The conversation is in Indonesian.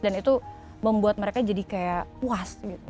dan itu membuat mereka jadi kayak puas gitu